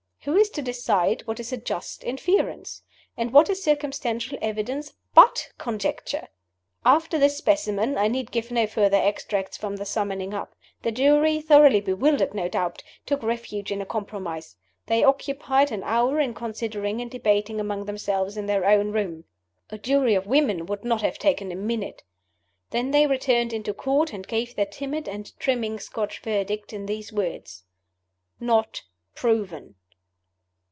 Who is to decide what is a just inference? And what is circumstantial evidence but conjecture? After this specimen, I need give no further extracts from the summing up. The Jury, thoroughly bewildered no doubt, took refuge in a compromise. They occupied an hour in considering and debating among themselves in their own room. (A jury of women would not have taken a minute!) Then they returned into Court, and gave their timid and trimming Scotch Verdict in these words: "Not Proven."